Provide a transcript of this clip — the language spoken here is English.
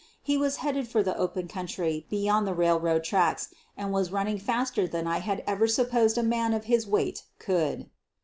He was headed for the open country beyond the railroad tracks and was running faster than I had ever supposed a man of his weight could.